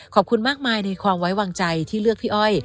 ขอบคุณมากมายในความไว้วางใจที่เลือกพี่อ้อย